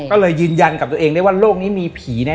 ก็เลยยืนยันกับตัวเองได้ว่าโลกนี้มีผีแน่